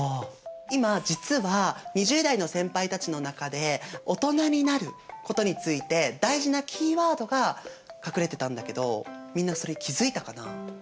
今実は２０代の先輩たちの中でオトナになることについて大事なキーワードが隠れてたんだけどみんなそれ気付いたかな？